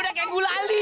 udah kayak gulali